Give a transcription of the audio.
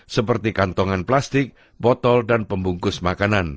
seperti kantongan plastik botol dan pembungkus makanan